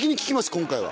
今回は。